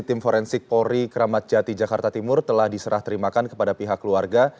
tim forensik polri kramat jati jakarta timur telah diserah terimakan kepada pihak keluarga